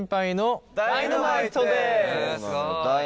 えすごい！